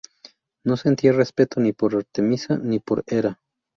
No sentía respeto ni por Artemisa ni por Hera.